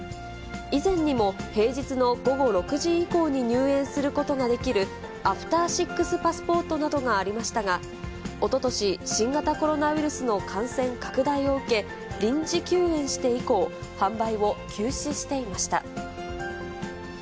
以前にも平日の午後６時以降に入園することができる、アフター６パスポートなどがありましたが、おととし、新型コロナウイルスの感染拡大を受け、臨時休園して以降、販売を休止していました。